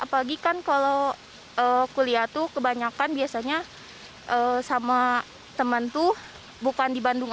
apalagi kan kalau kuliah tuh kebanyakan biasanya sama temen tuh bukan di bandung